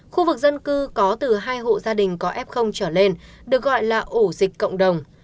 khu vực dân cư có từ hai hộ gia đình có f trở lên được gọi là ổ dịch cộng đồng